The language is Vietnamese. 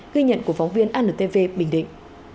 ghi nhận của phóng viên anntv bình định